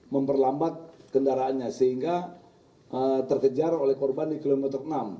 memperlambat kendaraannya sehingga terkejar oleh korban di kilometer enam